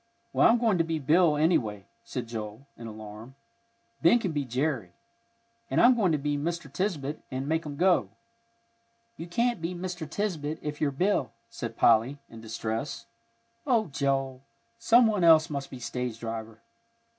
"Well, I'm going to be Bill, anyway," said Joel, in alarm. "Ben can be Jerry. And I'm going to be Mr. Tisbett and make 'em go." "You can't be Mr. Tisbett if you're Bill," said Polly, in distress. "Oh, Joel, some one else must be stage driver."